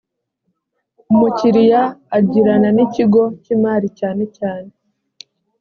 umukiriya agirana n ikigo cy imari cyane cyane